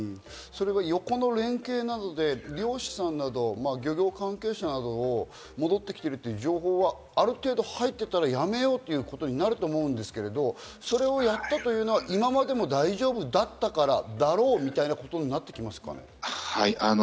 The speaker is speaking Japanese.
横の連携などで漁師さんなど、漁業関係者などが戻ってきているという情報はある程度入っていたら、やめようということになると思うんですけど、それをやったというのは今までも大丈夫だったから、やろうみたいなことになりますか？